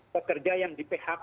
pekerja yang di phk